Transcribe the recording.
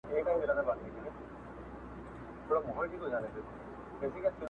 د دوى مخي ته لاسونه پرې كېدله!!